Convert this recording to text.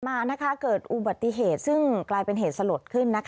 มาเกิดอุบัติเหตุซึ่งกลายเป็นเหตุสลดขึ้น